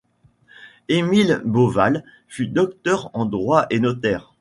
Émile Bôval fut docteur en droit et notaire.